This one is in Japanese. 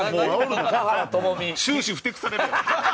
「終始ふてくされる」やろ。